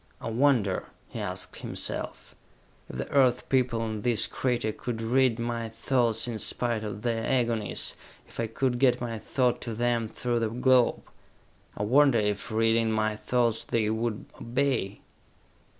"I wonder," he asked himself, "if the Earth people in this crater could read my thoughts in spite of their agonies, if I could get my thought to them through the globe? I wonder if, reading my thoughts, they would obey?"